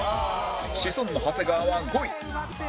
シソンヌ長谷川は５位